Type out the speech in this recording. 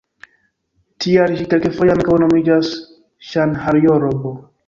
Tial ĝi kelkfoje ankaŭ nomiĝas Ŝanhajrobo.